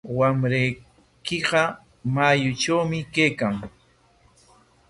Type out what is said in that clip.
Wamraykiqa mayutrawmi kaykan.